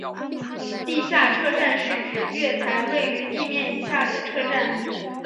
地下车站是指月台位于地面以下的车站。